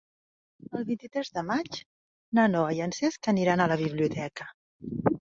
El vint-i-tres de maig na Noa i en Cesc aniran a la biblioteca.